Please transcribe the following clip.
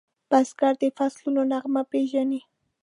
بزګر د فصلونو نغمه پیژني